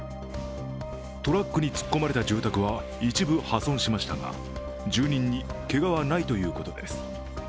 トラックに突っ込まれた住宅は一部破損しましたが住人にけがはないということです。